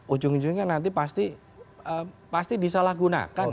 ujung ujungnya nanti pasti disalahgunakan